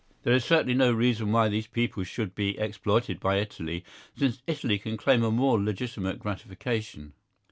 There is certainly no reason why these people should be exploited by Italy, since Italy can claim a more legitimate gratification.